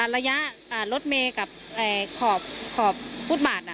ระยะรถเมย์กับขอบฟุตบาท